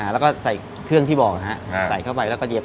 แล้วก็ใส่เครื่องที่บอกนะฮะใส่เข้าไปแล้วก็เย็น